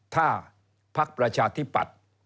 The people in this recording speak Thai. ถ้าพักประชาธิปัตย์